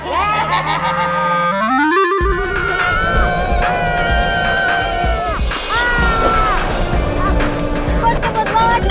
buat buat lawan jun